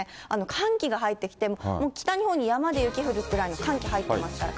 寒気が入ってきて、北日本に山で雪降るくらいの寒気が入ってますから。